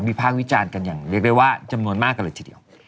ภาควิจารณ์กันอย่างเรียกได้ว่าจำนวนมากกันเลยทีเดียว